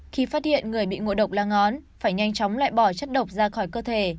khi phát hiện người bị ngộ độc lá ngón phải nhanh chóng loại bỏ chất độc ra khỏi cơ thể